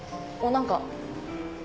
何か。